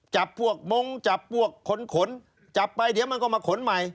จับพวกมงค์จับพวกขนขนจับไปเดี๋ยวมันก็มาขนใหม่